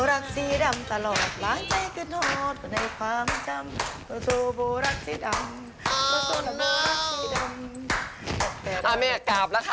อะไรล่ะแม่เรากลับแล้วค่ะ